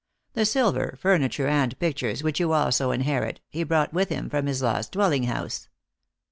The silver, furniture and pictures, which you also inherit, he brought with him from his last dwelling house.